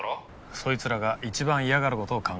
そいつらが一番嫌がる事を考えろ。